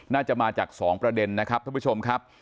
น่าจะมาจาก๒ประเด็นนะครับท่านผู้ชมครับ